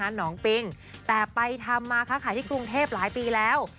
หนองปิงแต่ไปทำมาค้าขายที่กรุงเทพหลายปีแล้ว